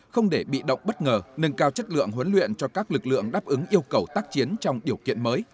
không để bị động bất ngờ nâng cao chất lượng huấn luyện cho các lực lượng đáp ứng yêu cầu tác chiến trong điều kiện mới